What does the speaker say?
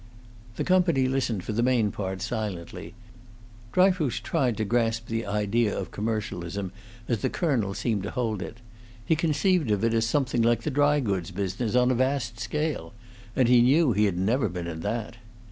The company listened for the main part silently. Dryfoos tried to grasp the idea of commercialism as the colonel seemed to hold it; he conceived of it as something like the dry goods business on a vast scale, and he knew he had never been in that.